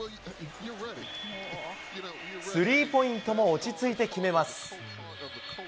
スリーポイントも落ち着いて決めます。